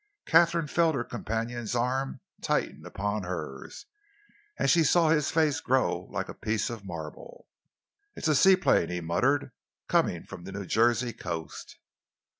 Katharine felt her companion's arm tighten upon hers, and she saw his face grow like a piece of marble. "It's a seaplane," he muttered, "coming from the New Jersey coast."